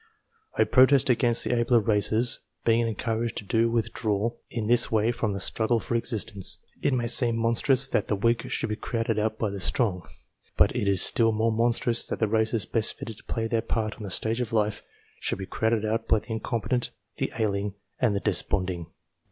I protest against the abler races being encouraged to with draw in this way from the struggle for existence. It may seem monstrous that the weak should be crowded out by the strong, but it is still more monstrous that the races best fitted to play their part on the stage of life, should be crowded out by the incompetent, the ailing, and the desponding.